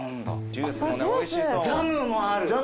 ジャムもある。